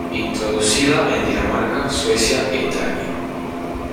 Introducida en Dinamarca, Suecia e Italia.